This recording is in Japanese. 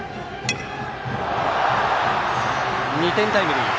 ２点タイムリー。